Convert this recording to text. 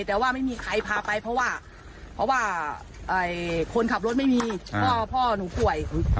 แต่ว่าไม่มีใครพาไปเพราะว่าเพราะว่าคนขับรถไม่มีพ่อหนูป่วย